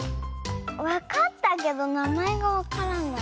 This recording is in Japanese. わかったけどなまえがわからない。